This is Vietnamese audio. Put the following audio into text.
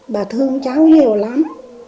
bà thương cháu nhiều lắm